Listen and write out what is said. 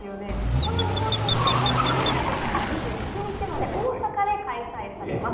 その日本選手権、今月２４日から２７日まで、大阪で開催されます。